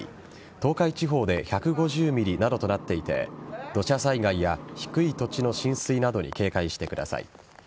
東海地方で１５０ｍｍなどとなっていて土砂災害や低い土地の浸水などに警戒してください。